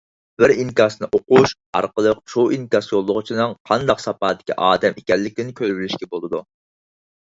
بىر ئىنكاسنى ئوقۇش ئارقىلىق شۇ ئىنكاس يوللىغۇچىنىڭ قانداق ساپادىكى ئادەم ئىكەنلىكىنى كۆرۈۋېلىشقا بولىدۇ.